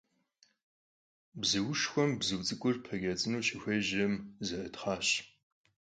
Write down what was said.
Bzuuşşxuem bzu ts'ık'ur peç'ets'ınu şıxuêjem — ze'ıtxhaş.